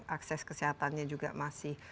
akses kesehatannya juga masih